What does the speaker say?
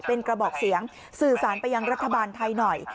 เป็นกระบอกเสียงสื่อสารไปยังรัฐบาลไทยหน่อย